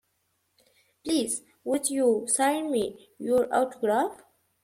Please would you sign me your autograph?